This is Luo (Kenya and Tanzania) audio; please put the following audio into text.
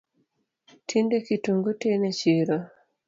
Tinde kitungu tin e chiro